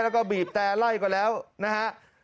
แล้วก็บีบแต่ไล่ก่อนแล้วนะฮะ